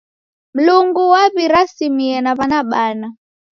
Mlungu waw'irasimie na w'ana bana.